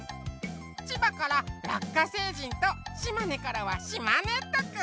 千葉からラッカ星人と島根からはしまねっとくん。